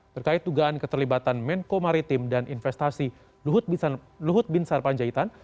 terkait dugaan keterlibatan menko maritim dan investasi luhut bin sarpanjaitan